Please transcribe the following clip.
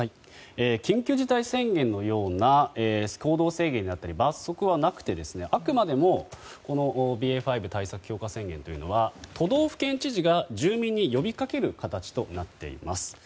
緊急事態宣言のような行動制限だったり罰則はなくて、あくまでもＢＡ．５対策強化宣言というのは都道府県知事が住民に呼びかける形となっています。